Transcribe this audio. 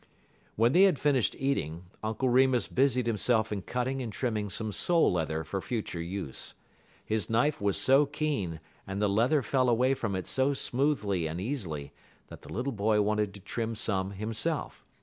When they had finished eating, Uncle Remus busied himself in cutting and trimming some sole leather for future use. His knife was so keen, and the leather fell away from it so smoothly and easily, that the little boy wanted to trim some himself.